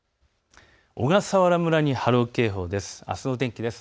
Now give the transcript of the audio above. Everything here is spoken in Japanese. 小笠原村に波浪警報です。